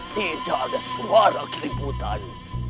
tidak ada suara keributan